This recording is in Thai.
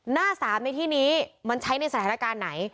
หน้า๓ในที่นี้มันใช้ในสถานการณ์ไหน